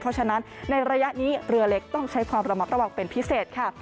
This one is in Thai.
เพราะฉะนั้นในระยะนี้เรือเล็กต้องใช้ความระมัดระวังเป็นพิเศษค่ะ